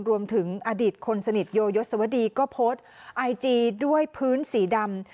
รวมถึงอดีตคนสนิทโยยศวดีก็โพสต์ไอจีด้วยพื้นสีดำ